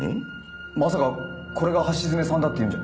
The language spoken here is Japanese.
まさかこれが橋爪さんだって言うんじゃ。